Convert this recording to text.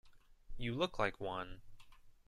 You look like one.